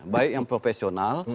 baik yang profesional